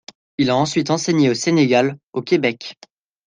Il a ensuite enseigné au Sénégal, au Québec.